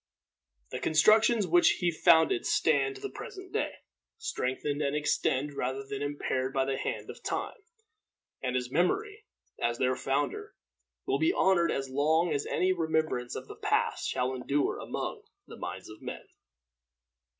The constructions which he founded stand to the present day, strengthened and extended rather than impaired by the hand of time; and his memory, as their founder, will be honored as long as any remembrance of the past shall endure among the minds of men.